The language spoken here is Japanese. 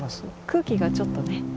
空気がちょっとね。